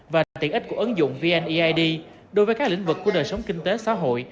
và là tiện ích của ứng dụng vneid đối với các lĩnh vực của đời sống kinh tế xã hội